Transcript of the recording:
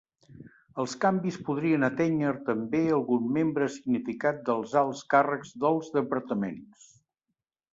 Els canvis podrien atènyer també algun membre significat dels alts càrrecs dels departaments.